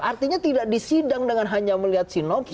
artinya tidak disidang dengan hanya melihat sinopsi